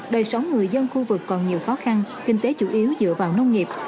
đời sống người dân khu vực còn nhiều khó khăn kinh tế chủ yếu dựa vào nông nghiệp